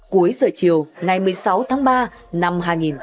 cuối giờ chiều ngày một mươi sáu tháng ba năm hai nghìn hai mươi